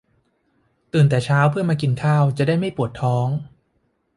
ตื่นแต่เช้าเพื่อมากินข้าว จะได้ไม่ปวดท้อง